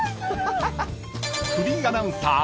［フリーアナウンサー］